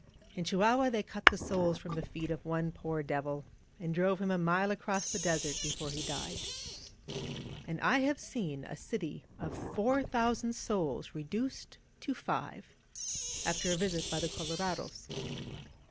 In Chihuahua, they cut the soles f roiA the feet of one poor devil, and drove him a mile across the desert before he died. And I have seen a city of four thousand souls reduced to five after a visit by the colorados.